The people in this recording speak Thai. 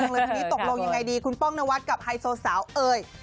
วันนี้ตกลงยังไงดีคุณป้องนวัดกับไฮโซสาวเอ่ย